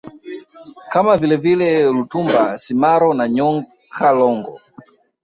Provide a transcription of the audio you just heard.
kama vilevile Lutumba Simaro na Nyoka Longo